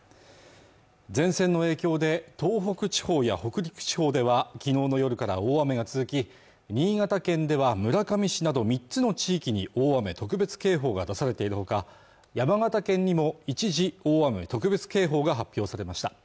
前線の影響で東北地方や北陸地方ではきのうの夜から大雨が続き新潟県では村上市など３つの地域に大雨特別警報が出されているほか山形県にも一時大雨特別警報が発表されました